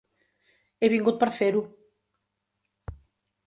He vingut per fer-ho.